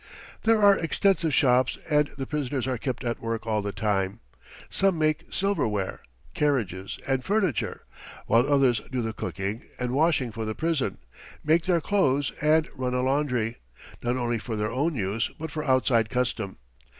There are extensive shops, and the prisoners are kept at work all the time. Some make silverware, carriages, and furniture, while others do the cooking and washing for the prison, make their clothes, and run a laundry, not only for their own use, but for outside custom.